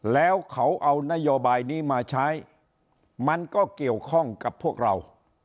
แล้วเขาเอานโยบายนี้มาใช้มันก็เกี่ยวข้องกับพวกเรา